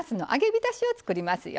びたしを作りますよ。